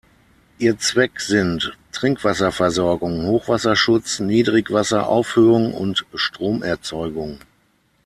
Ihr Zweck sind Trinkwasserversorgung, Hochwasserschutz, Niedrigwasseraufhöhung und Stromerzeugung.